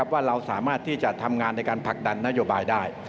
ว่าเราสามารถที่จะทำงานในการผลักดันนโยบายได้